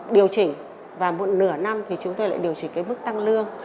điều chỉnh và một nửa năm thì chúng tôi lại điều chỉnh cái mức tăng lương